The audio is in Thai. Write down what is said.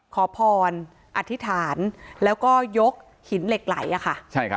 ขอพรอธิษฐานแล้วก็ยกหินเหล็กไหลอะค่ะ